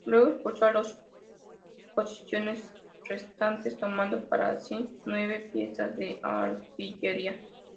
Luego expulsó a las posiciones restantes, tomando para sí nueve piezas de artillería.